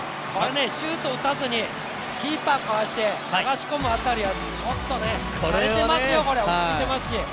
シュートを打たずにキーパーをかわして流し込むあたりはちょっとね、しゃれてますよ、落ち着いてますし。